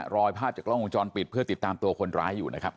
รอยภาพจากกล้องวงจรปิดเพื่อติดตามตัวคนร้ายอยู่นะครับ